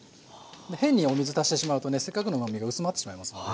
変にお水足してしまうとねせっかくのうまみが薄まってしまいますので。